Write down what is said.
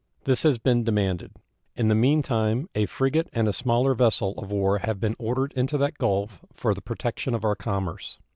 This has been demanded. In the mean time a frigate and a smaller vessel of war have been ordered into that Gulf for the protection of our commerce.